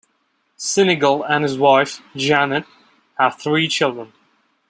Sinegal and his wife, Janet, have three children.